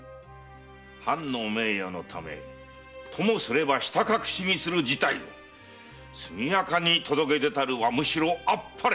藩の名誉のためともすればひた隠しにする事態速やかに届け出たるはむしろ天晴れ。